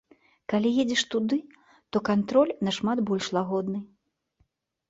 Калі едзеш туды, то кантроль нашмат больш лагодны.